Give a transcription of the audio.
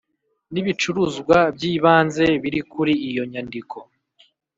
N ibicuruzwa by ibanze biri kuri iyo nyandiko